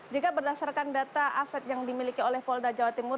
jika berdasarkan data aset yang dimiliki oleh polda jawa timur